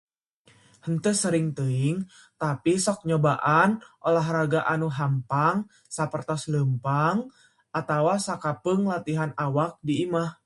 Henteu sering teuing, tapi sok nyobaan olahraga anu hampang sapertos leumpang atawa sakapeung latihan awak di imah.